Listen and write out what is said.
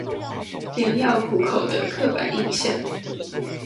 良藥苦口的刻板印象